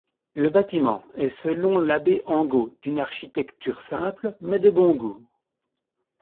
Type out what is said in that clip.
Le bâtiment est selon l'abbé Angot d'une architecture simple, mais de bon goût.